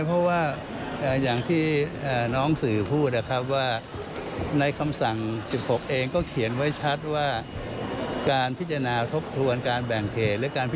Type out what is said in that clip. เพราะอันนี้คืออันนี้มันครอบคลุมในเรื่องการแบ่งเขตโดยแท้